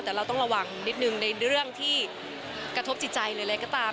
แต่เราต้องระวังนิดนึงในเรื่องที่กระทบจิตใจหรืออะไรก็ตาม